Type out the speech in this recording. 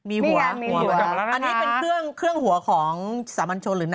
อีกเต้นให้ดูนะ